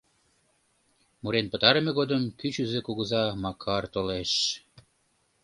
Мурен пытарыме годым кӱчызӧ кугыза Макар толеш.